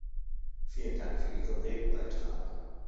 Vielen Dank für Ihren Redebeitrag.